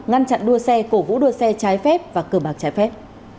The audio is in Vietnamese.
ngăn chặn đua xe cổ vũ đua xe trái phép và cờ bạc trái phép